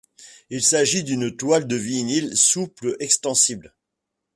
Il s'agit d'une toile de vinyle souple extensible.